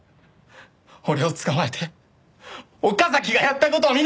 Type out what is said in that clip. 俺を捕まえて岡崎がやった事を見逃すんだろ！